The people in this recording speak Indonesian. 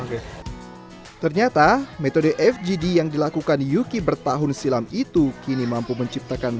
oke ternyata metode fgd yang dilakukan yuki bertahun silam itu kini mampu menciptakan